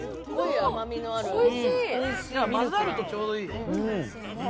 混ざるとちょうどいい。